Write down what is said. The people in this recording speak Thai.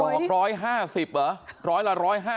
ดอก๑๕๐หรอ๑๐๐ละ๑๕๐